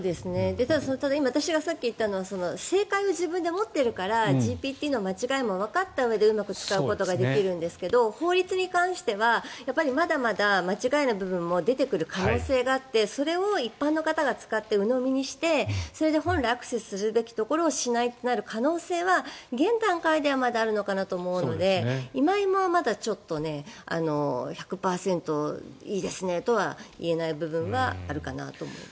ただ、私がさっき言ったのは正解を自分で持っているからＧＰＴの間違いもわかったうえでうまく使うことができるんですが法律に関してはまだまだ間違いな部分が出てくる可能性もあってそれを一般の方が使ってうのみにしてそれで本来アクセスするべきところをしないとなる可能性は現段階ではまだあるのかなと思うので今はまだちょっと１００％いいですねとは言えない部分はあるかなと思います。